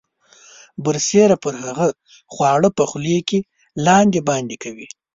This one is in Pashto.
برسیره پر هغه خواړه په خولې کې لاندې باندې کوي.